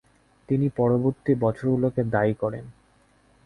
তিনি পরবর্তী বছরগুলোকে দায়ী করেন।